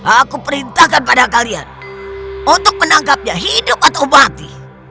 aku perintahkan pada kalian untuk menangkapnya hidup atau mati